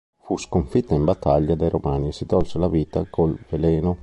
Fu sconfitta in battaglia dai romani e si tolse la vita col veleno.